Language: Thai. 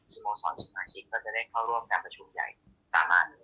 สโมสรสมาชิกก็จะได้เข้าร่วมการประชุมใหญ่ตามมาเลย